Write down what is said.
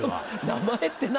名前ってな。